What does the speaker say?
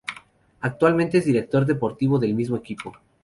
Actualmente es director deportivo del mismo equipo.